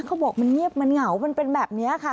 เขาบอกมันเงียบมันเหงามันเป็นแบบนี้ค่ะ